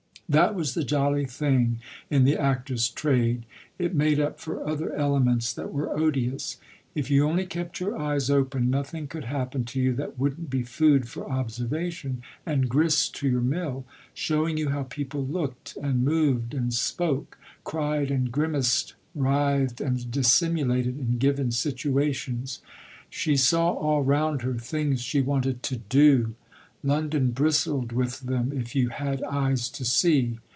That was the jolly thing in the actor's trade it made up for other elements that were odious: if you only kept your eyes open nothing could happen to you that wouldn't be food for observation and grist to your mill, showing you how people looked and moved and spoke, cried and grimaced, writhed and dissimulated, in given situations. She saw all round her things she wanted to "do" London bristled with them if you had eyes to see.